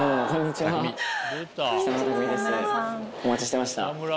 お待ちしてました。